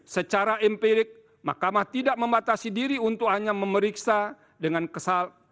secara empirik mahkamah tidak membatasi diri untuk hanya memeriksa dengan kesal